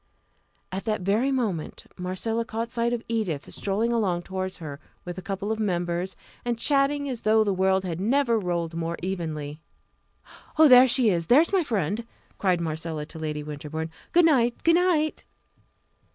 At that very moment Marcella caught sight of Edith strolling along towards her with a couple of members, and chatting as though the world had never rolled more evenly. "Oh! there she is there is my friend!" cried Marcella to Lady Winterbourne. "Good night good night!"